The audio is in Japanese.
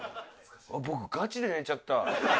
僕ガチで寝ちゃった。